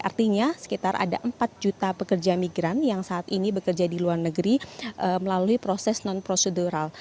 artinya sekitar ada empat juta pekerja migran yang saat ini bekerja di luar negeri melalui proses non prosedural